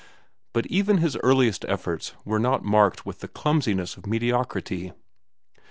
But even his earliest efforts were not marked with the clumsiness of mediocrity.